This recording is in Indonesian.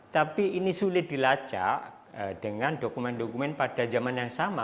tapi ini sulit dilacak dengan dokumen dokumen pada zaman yang sama